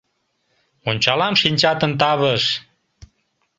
Ончалам шинчатын тавыш.